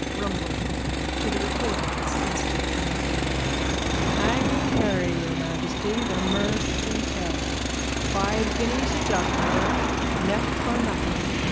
_ RUMBOLD: (To the recorder with sinister familiarity.) Hanging Harry, your Majesty, the Mersey terror. Five guineas a jugular. Neck or nothing.